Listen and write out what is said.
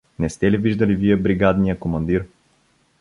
Не сте ли виждали вие бригадния командир?